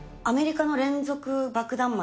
アメリカの連続爆弾